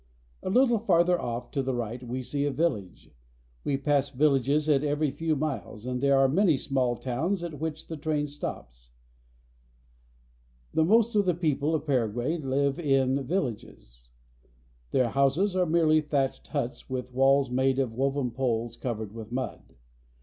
A little farther off to the right we see a village. We pass villages at every few miles, and there are many small towns at which the train stops. The most of the people of TRIP INTO THE INTERIOR. 227 Paraguay live in villages. Their houses are merely thatched huts with walls made of woven poles covered with mud.